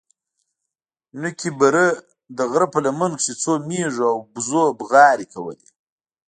نوكي بره د غره په لمن کښې څو مېږو او وزو بوغارې کولې.